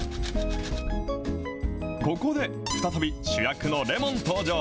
ここで再び、主役のレモン登場。